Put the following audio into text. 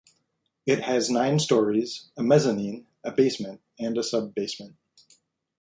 It has nine storeys, a mezzanine, a basement and a sub-basement.